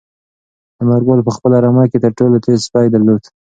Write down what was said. انارګل په خپله رمه کې تر ټولو تېز سپی درلود.